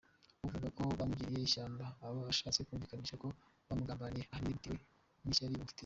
Uvuga ko bamujyiriye ishyamba aba ashatse kumvikanisha ko bamugambaniye, ahanini bitewe n’ishyari bamufitiye.